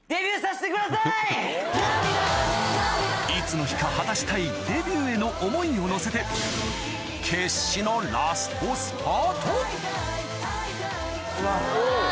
いつの日か果たしたいデビューへの思いを乗せてうわ。